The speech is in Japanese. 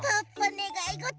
ねがいごと？